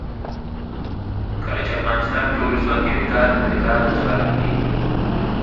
کله چې افغانستان کې ولسواکي وي کار اهل ته سپارل کیږي.